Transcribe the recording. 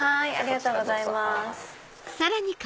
ありがとうございます。